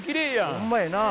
ほんまやな。